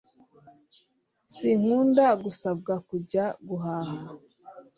Sinkunda gusabwa kujya guhaha